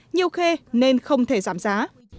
nhiều khê nên không thể giảm giá